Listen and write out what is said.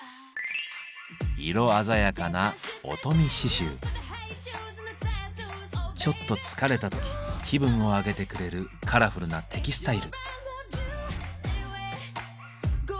色鮮やかなちょっと疲れた時気分を上げてくれるカラフルなテキスタイル。